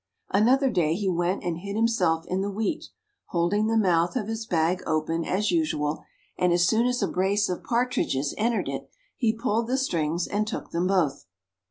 Another day he went and hid himself in the wheat, holding the mouth of his bag open, as usual, and as soon as a brace of partridges entered it, he pulled the strings, and took them both.